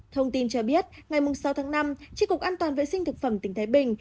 thông tin cho biết ngày sáu tháng năm tri cục an toàn vệ sinh thực phẩm tỉnh thái bình